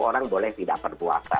orang boleh tidak berpuasa